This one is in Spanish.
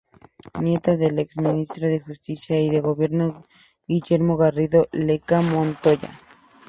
Nieto del ex ministro de justicia y de gobierno Guillermo Garrido Lecca Montoya.